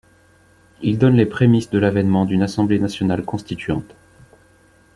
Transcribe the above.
Il donne les prémices de l'avènement d'une assemblée nationale constituante.